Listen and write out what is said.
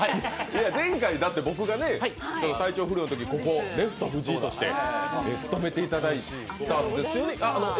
前回、僕が体調不良のときにレフト藤井として務めていただいたんですよね。